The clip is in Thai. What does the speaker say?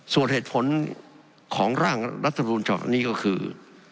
ส่วนเหตุผลของร่างรัฐรุณชะนี้ก็คือ